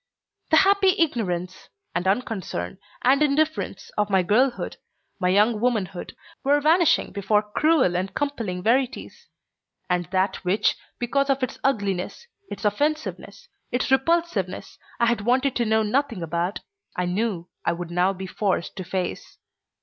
The happy ignorance and unconcern and indifference of my girlhood, my young womanhood, were vanishing before cruel and compelling verities, and that which, because of its ugliness, its offensiveness, its repulsiveness, I had wanted to know nothing about, I knew I would now be forced to face.